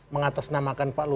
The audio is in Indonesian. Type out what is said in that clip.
mengatasnamakan pak lurang